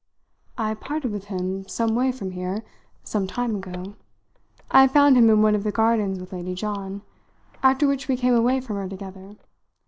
"I parted with him, some way from here, some time ago. I had found him in one of the gardens with Lady John; after which we came away from her together.